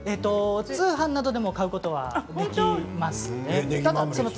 通販などでも買うことができますね。